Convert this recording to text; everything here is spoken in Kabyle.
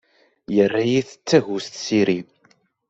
Yerra-iyi-t d tagust s iri.